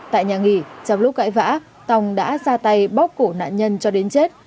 tại nhà nghỉ trong lúc cãi vã tòng đã ra tay bóc cổ nạn nhân cho đến chết